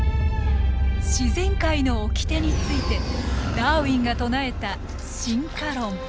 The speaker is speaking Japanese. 自然界の掟についてダーウィンが唱えた進化論。